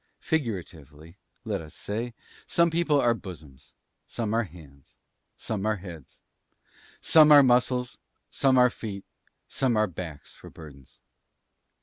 Figuratively (let us say), some people are Bosoms, some are Hands, some are Heads, some are Muscles, some are Feet, some are Backs for burdens.